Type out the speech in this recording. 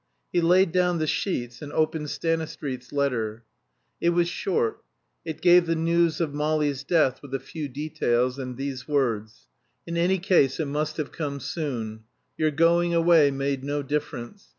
He laid down the sheets and opened Stanistreet's letter. It was short; it gave the news of Molly's death with a few details, and these words: "In any case it must have come soon. Your going away made no difference.